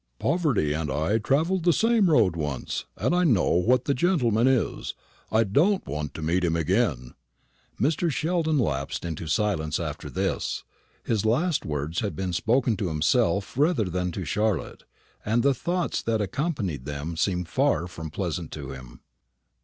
Poverty and I travelled the same road once, and I know what the gentleman is. I don't want to meet him again." Mr. Sheldon lapsed into silence after this. His last words had been spoken to himself rather than to Charlotte, and the thoughts that accompanied them seemed far from pleasant to him.